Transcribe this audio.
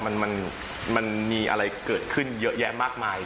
มันมีอะไรเกิดขึ้นเยอะแยะมากมาย